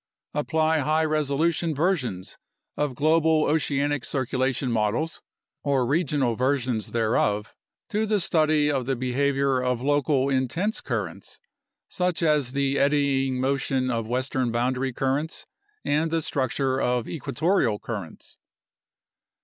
Apply high resolution versions of global oceanic circulation models (or regional versions thereof) to the study of the behavior of local in tense currents, such as the eddying motion of western boundary cur rents and the structure of equatorial currents.